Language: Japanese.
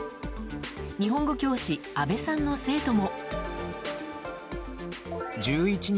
日本語教師、安部さんの生徒も。